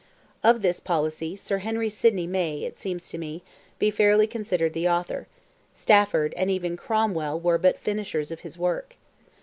Of this policy, Sir Henry Sidney may, it seems to me, be fairly considered the author; Stafford, and even Cromwell were but finishers of his work.